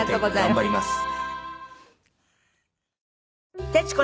『笑点』頑張ります。